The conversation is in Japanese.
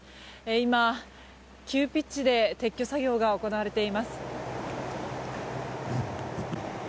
今、急ピッチで撤去作業が行われています。